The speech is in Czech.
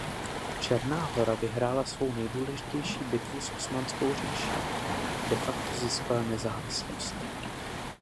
Černá Hora vyhrála svou nejdůležitější bitvu s Osmanskou říší a de facto získala nezávislost.